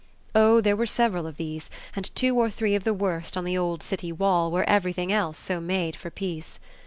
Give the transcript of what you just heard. Oh there were several of these, and two or three of the worst on the old city wall where everything else so made for peace.